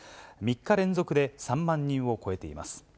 ３日連続で３万人を超えています。